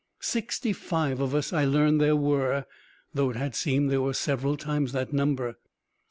Sixty five of us I learned there were, though it had seemed there were several times that number.